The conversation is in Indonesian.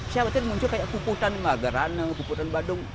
saya yakin muncul kayak kubutan magarana kubutan badung